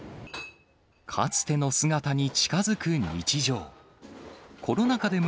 かつての姿に近づく日常。